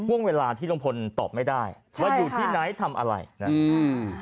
ห่วงเวลาที่ลุงพลตอบไม่ได้ว่าอยู่ที่ไหนทำอะไรนะอืม